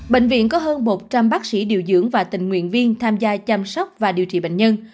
bệnh viện có hơn một trăm linh bác sĩ điều dưỡng và tình nguyện viên tham gia chăm sóc và điều trị bệnh nhân